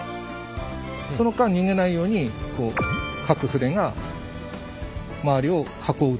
その間逃げないように各船が周りを囲うと。